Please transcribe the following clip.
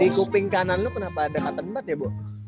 di kuping kanan lu kenapa dekat tempat ya bu